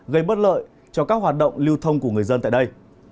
gây bất lợi cho các hoạt động lưu thông của người dân tại đây